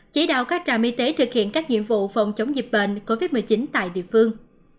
chỉ đạo các trạm y tế thực hiện các nhiệm vụ phòng chống dịch bệnh covid một mươi chín tại địa phương